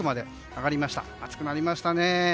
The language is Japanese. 暑くなりましたね。